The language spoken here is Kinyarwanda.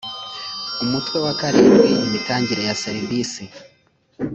umutwe wa karindwi imitangire ya serivisi